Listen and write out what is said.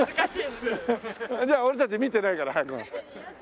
じゃあ俺たち見てないから早く。